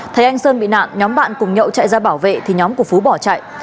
thấy anh sơn bị nạn nhóm bạn cùng nhậu chạy ra bảo vệ thì nhóm của phú bỏ chạy